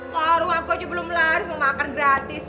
warung aku aja belum laris mau makan gratis